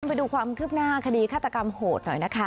ไปดูความคืบหน้าคดีฆาตกรรมโหดหน่อยนะคะ